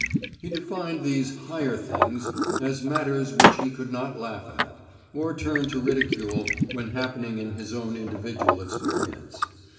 He defined these "higher things" as matters which he could not laugh at, or turn to ridicule when happening in his own individual experience.